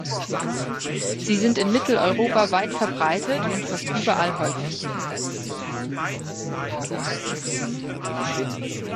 Sie sind in Mitteleuropa weit verbreitet und fast überall häufig.